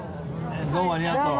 どうもありがとう。